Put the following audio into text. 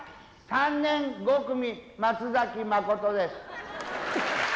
３年５組松崎真です。